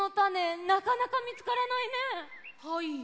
はい。